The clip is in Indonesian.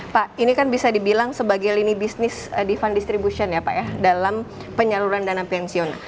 pak ini kan bisa dibilang sebagai lini bisnis defund distribution ya pak ya dalam penyaluran dana pensiun